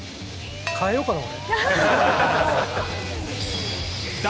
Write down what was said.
変えようかな俺。